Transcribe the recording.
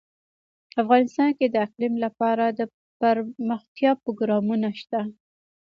افغانستان کې د اقلیم لپاره دپرمختیا پروګرامونه شته.